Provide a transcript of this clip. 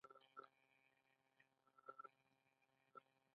رئیس جمهور خپلو عسکرو ته امر وکړ؛ خپله فزیکي وړتیا لوړه کړئ!